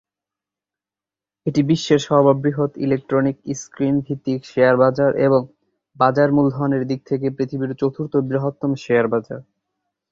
এটি বিশ্বের সর্ববৃহৎ ইলেক্ট্রনিক-স্ক্রিন ভিত্তিক শেয়ার বাজার এবং বাজার মূলধনের দিক থেকে পৃথিবীর চতুর্থ বৃহত্তম শেয়ার বাজার।